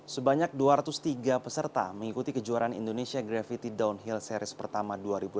sebanyak dua ratus tiga peserta mengikuti kejuaraan indonesia gravity downhill series pertama dua ribu delapan belas